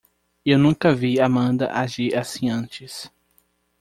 Eu nunca vi Amanda agir assim antes.